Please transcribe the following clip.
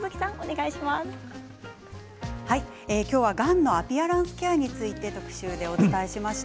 今日は、がんのアピアランスケアについて特集でお伝えしました。